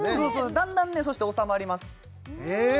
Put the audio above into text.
だんだんねそして収まりますえ